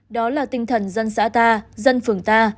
đó là tinh thần dân xã ta dân phường ta